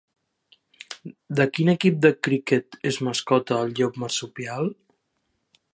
De quin equip de criquet és mascota el llop marsupial?